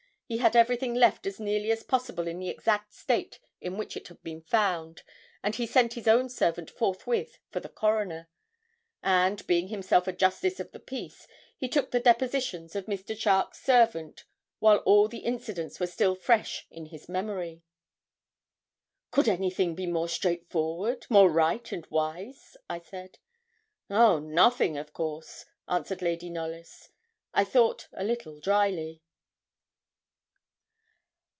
He had everything left as nearly as possible in the exact state in which it had been found, and he sent his own servant forthwith for the coroner, and, being himself a justice of the peace, he took the depositions of Mr. Charke's servant while all the incidents were still fresh in his memory.' 'Could anything be more straightforward, more right and wise?' I said. 'Oh, nothing of course,' answered Lady Knollys, I thought a little drily.